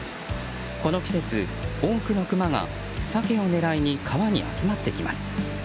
この季節、多くのクマがサケを狙いに川に集まってきます。